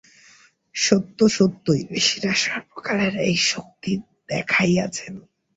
সত্যসত্যই ঋষিরা সর্বকালেই এই শক্তি দেখাইয়াছেন।